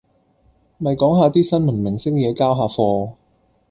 咪講下啲新聞明星野交下貨